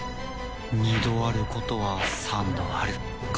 二度あることは三度あるか。